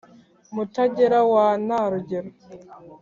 mutagera wa nta rugero